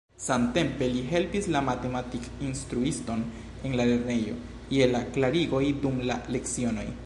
Samtempe li helpis la matematik-instruiston en la lernejo je la klarigoj dum la lecionoj.